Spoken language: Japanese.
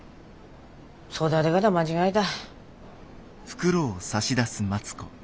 育で方間違えた。